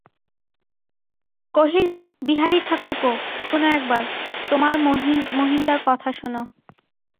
কহিল, বিহারী-ঠাকুরপো, শোনো একবার, তোমার মহিনদার কথা শোনো।